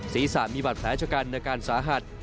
ศีรษะมีบาดแผลชะกันอาการสาหัส